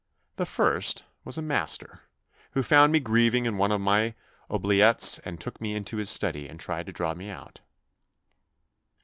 The first was a master, who found me THE NEW BOY 67 grieving in one of my oubliettes and took me into his study and tried to draw me out.